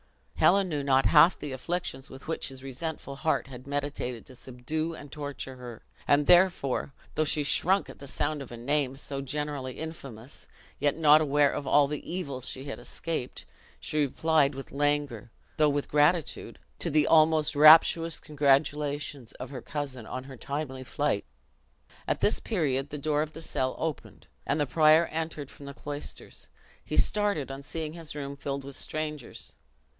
Helen knew not half the afflictions with which his resentful heart had meditated to subdue and torture her; and therefore, though she shrunk at the sound of a name so generally infamous, yet, not aware of all the evils she had escaped, she replied with languor, though with gratitude, to the almost rapturous congratulations of her cousin on her timely flight. At this period the door of the cell opened, and the prior entered from the cloisters he started on seeing his room filled with strangers.